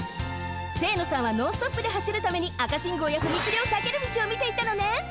清野さんはノンストップではしるために赤信号や踏切をさける道をみていたのね。